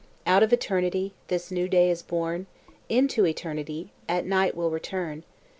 Out of Eternity This new day is born; Into Eternity At night will return.